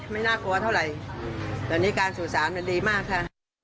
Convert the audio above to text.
ไม่น่ากลัวเท่าไหร่ตอนนี้การสื่อสารมันดีมากค่ะ